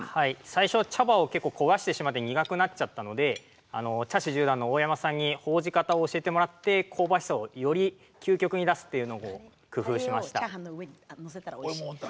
最初、茶葉を壊してしまい苦くなっちゃったので茶師十段の大山さんにほうじ方を教えてもらって香ばしさをより究極に出すことを工夫しました。